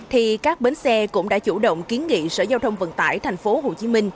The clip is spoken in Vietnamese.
thì các bến xe cũng đã chủ động kiến nghị sở giao thông vận tải tp hcm